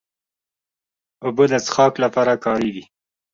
اوبه د څښاک لپاره کارېږي.